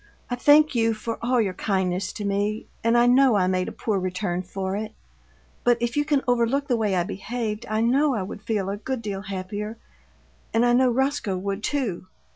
I thank you for all your kindness to me, and I know I made a poor return for it, but if you can overlook the way I behaved I know I would feel a good deal happier and I know Roscoe would, too.